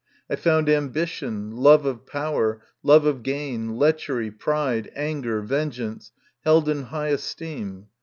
I found ambition, love of power, love of gain, lechery, pride, anger, vengeance, held in high esteem.